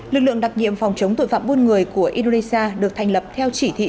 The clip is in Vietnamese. lực lượng đặc nhiệm phòng chống tội phạm buôn người của indonesia được thành lập theo chỉ thị